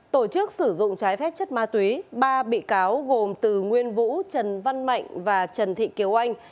tổ chức sử dụng trái phép chất ma túy ba bị cáo gồm từ nguyên vũ trần văn mạnh và trần thị kiều anh